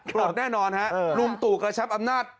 แน่นอนฮะลุงตู่กระชับอำนาจ